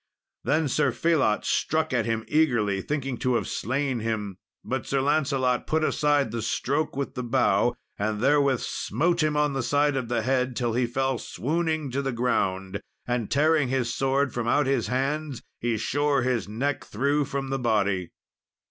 Then Sir Phelot struck at him eagerly, thinking to have slain him, but Sir Lancelot put aside the stroke with the bough, and therewith smote him on the side of the head, till he fell swooning to the ground. And tearing his sword from out his hands, he shore his neck through from the body.